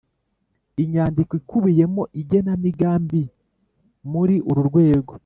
inyandiko ikubiyemo igenamigambi muri uru rwego